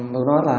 bữa nói là